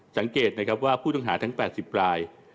สังเกตว่าผู้ตัวอาหารทั้ง๘๐ลาย